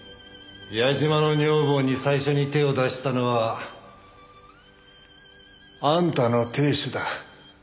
矢嶋の女房に最初に手を出したのはあんたの亭主だ。